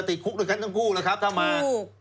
ติดคุกต้องก้าวถ้ามา